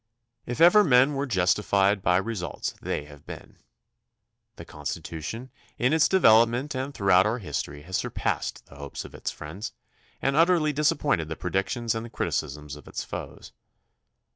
If ever men were justified by results they have been. The Constitution in its de velopment and throughout our history has surpassed the hopes of its friends and utterly disappointed the predictions and the criticisms of its foes.